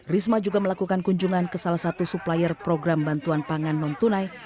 risma juga melakukan kunjungan ke salah satu supplier program bantuan pangan non tunai